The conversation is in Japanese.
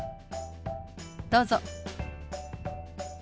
どうぞ。